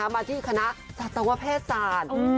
มาที่คณะศัตรวะเภสา